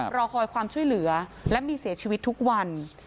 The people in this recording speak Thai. รอคอยความช่วยเหลือและมีเสียชีวิตทุกวัน